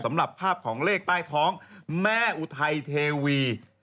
สำหรับภาพของเลขใต้ท้องแม่อุทัยเทวี